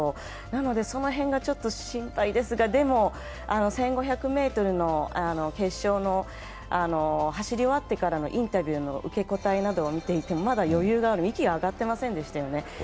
なのでその辺がちょっと心配ですがでも１５００ｍの決勝の走り終わってからのインタビューの受け答えを見ていてもまだ余裕がある、息が上がっていませんでしたよね。